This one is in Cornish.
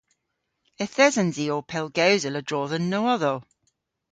Yth esens i ow pellgewsel a-dro dhe'n nowodhow.